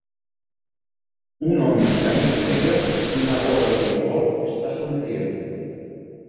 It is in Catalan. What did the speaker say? Un home amb camisa negra i una gorra de beisbol està somrient.